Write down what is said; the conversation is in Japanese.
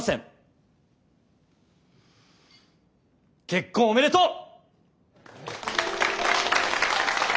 結婚おめでとう！